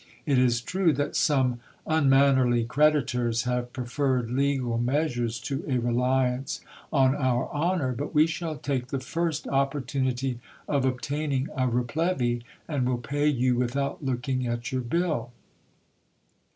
It is true that some unmannerly creditors have preferred legal measures to a reliance on our honour ; but we shall take the first opportunity of obtaining a replevy, and will pay you without looking at your bill.